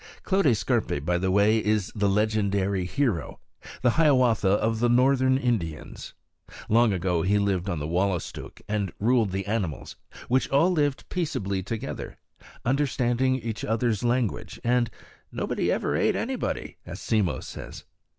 Clote Scarpe, by the way, is the legendary hero, the Hiawatha of the northern Indians. Long ago he lived on the Wollastook, and ruled the animals, which all lived peaceably together, understanding each other's language, and "nobody ever ate anybody," as Simmo says.